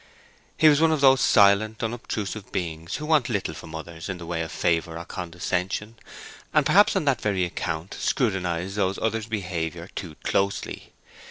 He was one of those silent, unobtrusive beings who want little from others in the way of favor or condescension, and perhaps on that very account scrutinize those others' behavior too closely.